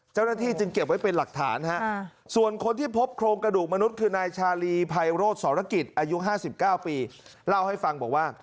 เจ้าหน้าที่จึงเก็บไว้เป็นหลักฐาน